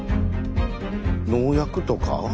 農薬とか？